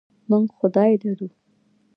موږ خدای لرو.